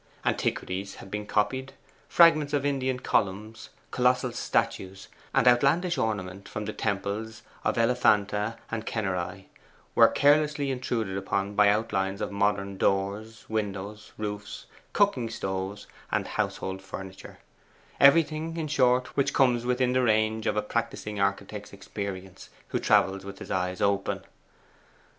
Antiquities had been copied; fragments of Indian columns, colossal statues, and outlandish ornament from the temples of Elephanta and Kenneri, were carelessly intruded upon by outlines of modern doors, windows, roofs, cooking stoves, and household furniture; everything, in short, which comes within the range of a practising architect's experience, who travels with his eyes open.